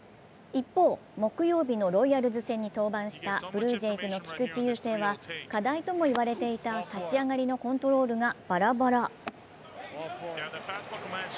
一方、木曜日のロイヤルズ戦に登板したブルージェイズの菊池雄星は課題とも言われていた立ち上がりのコントロールがバラバラ。